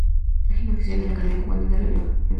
Página oficial de la Academia Cubana de la Lengua